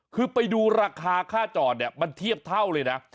คือไปดูราคาค่าจอดเนี่ยมันเทียบเท่าเลยนะ